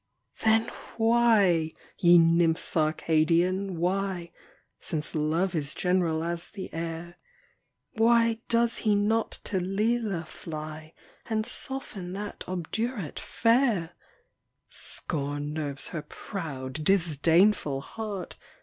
THE DREAM OF LOVE. 71 Then why, ye nymphs Arcadian, why Since Love is general as the air Why does he not to Lelia fly, And soften that obdurate fair? Scorn nerves her proud, disdainful heart